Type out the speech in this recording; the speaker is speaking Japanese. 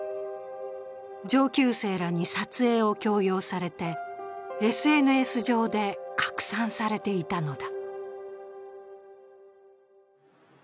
上級生らに撮影を強要されて、ＳＮＳ上で拡散されていたのだ。